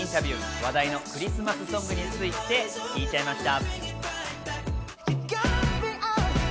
話題のクリスマスソングについて聞いちゃいました。